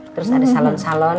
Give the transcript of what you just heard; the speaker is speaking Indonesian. terus ada salon salonan